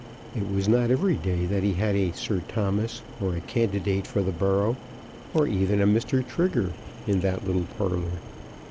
It was not every day that he had a Sir Thomas, or a candidate for the borough, or even a Mr. Trigger, in that little parlour.